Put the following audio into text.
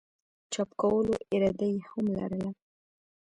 چاپ کولو اراده ئې هم لرله